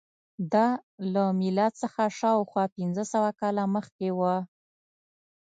دا له میلاد څخه شاوخوا پنځه سوه کاله مخکې وه.